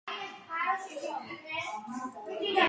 იგი პრეზიდენტის პოსტზე ყოფნისას გარდაიცვალა.